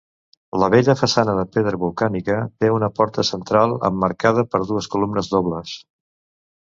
La bella façana de pedra volcànica té una porta central emmarcada per dues columnes dobles.